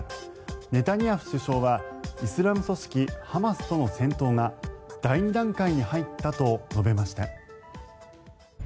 ネタニヤフ首相はイスラム組織ハマスとの戦闘が第２段階に入ったと述べました。